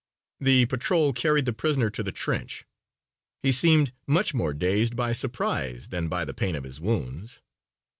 The patrol carried the prisoner to the trench. He seemed much more dazed by surprise than by the pain of his wounds.